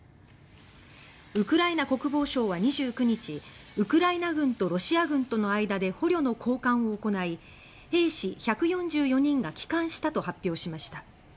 ウクライナ国防省は２９日ウクライナ軍とロシア軍との間で捕虜の交換を行い兵士１４４人が帰還したと発表しました。